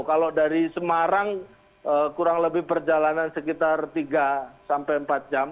kalau dari semarang kurang lebih perjalanan sekitar tiga sampai empat jam